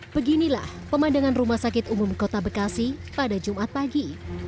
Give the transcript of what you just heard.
beginilah pemandangan rumah sakit umum kota bekasi pada jumat pagi